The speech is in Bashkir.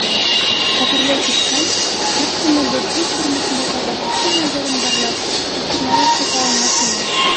Хәтерләй китһәң, һәр кемебеҙ үҙ тормошондағы бәхетле мәлдәрен барлап, осона ла сыға алмаҫ ине.